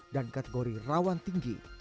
dan kategori rawan tinggi